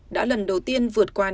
đã lần đầu tiên vượt qua